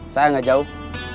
saya gak jauh